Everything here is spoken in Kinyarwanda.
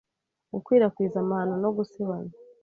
Gukwirakwiza amahano no gusebanya